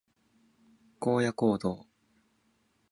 荒野行動